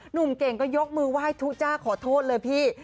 หนุ่มเก่งก็ยกมือไหว้ทุจ้าขอโทษเลยพี่